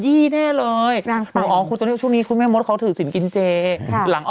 เราบอกว่านี้คุณแม่มดต้องขยี้แน่เลย